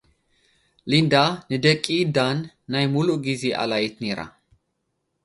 ሊንዳ፡ ንደቂ ዳን ናይ ምሉእ ግዜ ኣላዪት ነይራ።